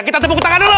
kita tepuk tangan dulu